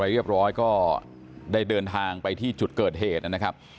เรียบร้อยก็ได้เดินทางไปที่จุดเกิดเหตุนะครับ